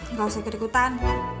gak usah kedekutan